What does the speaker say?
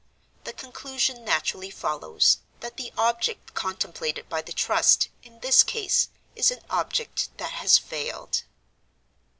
The conclusion naturally follows, that the object contemplated by the Trust, in this case, is an object that has failed.